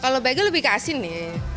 kalau bagel lebih ke asin nih